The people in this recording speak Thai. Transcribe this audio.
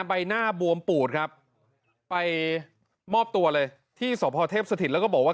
ใบหน้าบวมปูดครับไปมอบตัวเลยที่สพเทพสถิตแล้วก็บอกว่า